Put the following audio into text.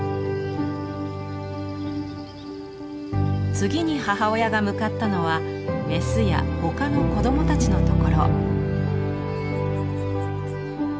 次に母親が向かったのはメスや他の子供たちのところ。